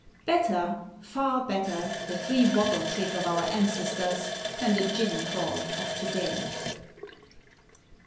_ Better, far better the three bottle trick of our ancestors, than the "gin crawl" of to day.